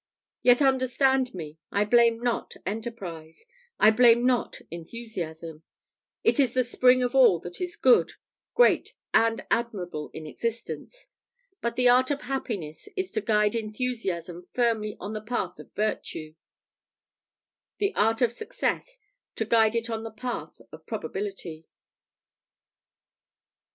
Yet understand me: I blame not enterprise, I blame not enthusiasm; it is the spring of all that is good, great, and admirable in existence: but the art of happiness is to guide enthusiasm firmly on the path of virtue; the art of success, to guide it on the path of probability.